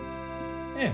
ええ。